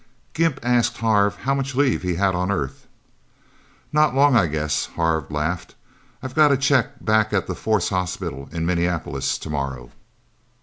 Gimp asked Harv how much leave he had on Earth. "Not long, I guess," Harv laughed. "I've got to check back at the Force Hospital in Minneapolis tomorrow..."